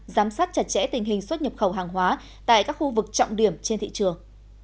giám sát chặt chẽ tình hình xuất nhập khẩu hàng hóa tại các khu vực trọng điểm trên thị trường